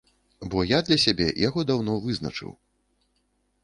Бо я для сябе яго даўно вызначыў.